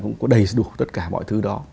cũng có đầy đủ tất cả mọi thứ đó